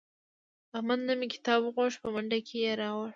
احمد نه مې کتاب وغوښت په منډه کې یې راوړ.